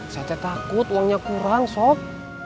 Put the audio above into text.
saya takut uangnya kurang sof